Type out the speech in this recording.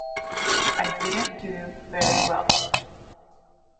I didn't do very well.